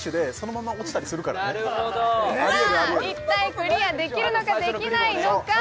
一体クリアできるのかできないのか？